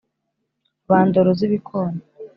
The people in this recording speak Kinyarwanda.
Ba ndoro z'ibikona,